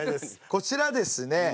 こちらですね